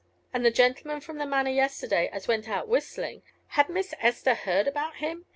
And the gentleman from the Manor yesterday as went out whistling had Miss Esther heard about him?